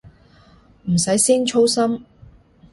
唔使師兄操心